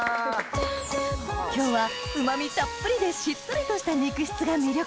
今日はうまみたっぷりでしっとりとした肉質が魅力